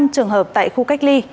năm trường hợp tại khu cách ly